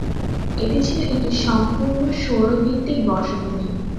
এটি ছিল একটি সম্পূর্ণ সৌর ভিত্তিক বর্ষপঞ্জী।